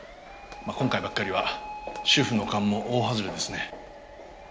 今回ばっかりは主婦の勘も大外れですね。